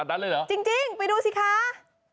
อ้าวจริงไปดูสิคะ